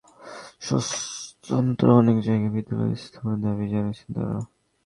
চমেক হাসপাতালকে বহাল রেখে স্বতন্ত্র কোনো জায়গায় বিশ্ববিদ্যালয় স্থাপনের দাবি জানিয়েছেন তাঁরা।